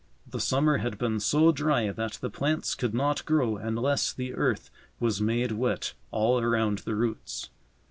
The summer had been so dry that the plants could not grow unless the earth was made wet all around the roots.